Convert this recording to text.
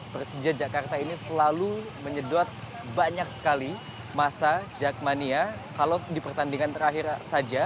persija jakarta ini selalu menyedot banyak sekali masa jakmania kalau di pertandingan terakhir saja